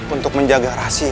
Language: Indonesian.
untuk menjaga rahasia